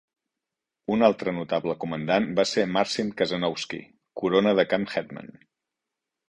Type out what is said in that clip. Un altre notable comandant va ser Marcin Kazanowski, Corona de Camp Hetman.